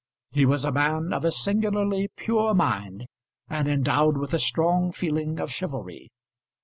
He was a man of a singularly pure mind, and endowed with a strong feeling of chivalry.